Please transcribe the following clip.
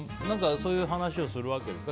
そういう話をするわけですか。